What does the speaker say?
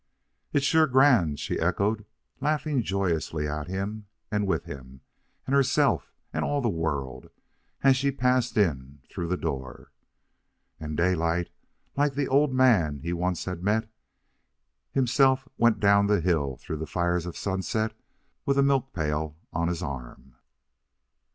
"It's sure grand," she echoed, laughing joyously at him and with him and herself and all the world, as she passed in through the door. And Daylight, like the old man he once had met, himself went down the hill through the fires of sunset with a milk pail on his arm.